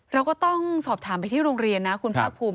เราก็ต้องสอบถามไปที่โรงเรียนนะคุณภาคภูมิ